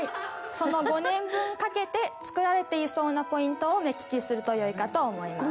その５年分かけて作られていそうなポイントを目利きすると良いかと思います。